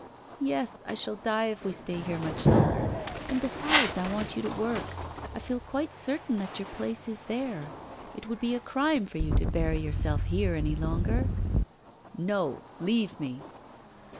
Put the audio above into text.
'Yes, I shall die if we stay here much longer; and, besides I want you to work. I feel quite certain that your place is there. It would be a crime for you to bury yourself here any longer.' 'No, leave me!